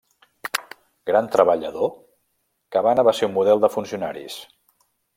Gran treballador, Cabana va ser un model de funcionaris.